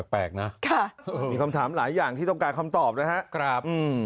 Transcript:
แปลกนะมีคำถามหลายอย่างที่ต้องการคำตอบนะครับ